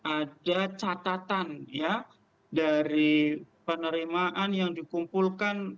ada catatan ya dari penerimaan yang dikumpulkan